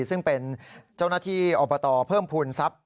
ซึ่งเป็นเจ้าหน้าที่อบตเพิ่มภูมิทรัพย์